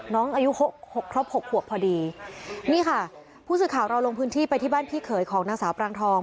น้องอายุหกหกครบหกขวบพอดีนี่ค่ะผู้สื่อข่าวเราลงพื้นที่ไปที่บ้านพี่เขยของนางสาวปรางทอง